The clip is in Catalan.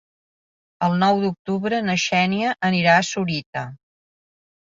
El nou d'octubre na Xènia anirà a Sorita.